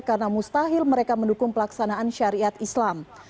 karena mustahil mereka mendukung pelaksanaan syariat islam